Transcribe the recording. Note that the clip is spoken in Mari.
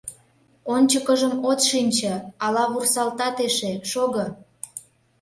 Ончыкыжым от шинче, ала вурсалтат эше, шого!